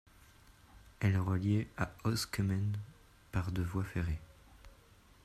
Elle est reliée à Öskemen par de voie ferrée.